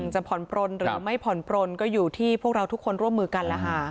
จะผ่อนปลนหรือไม่ผ่อนปลนก็อยู่ที่พวกเราทุกคนร่วมมือกันแล้วค่ะ